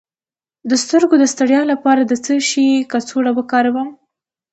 د سترګو د ستړیا لپاره د څه شي کڅوړه وکاروم؟